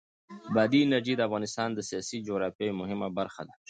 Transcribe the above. بادي انرژي د افغانستان د سیاسي جغرافیه یوه مهمه برخه ده.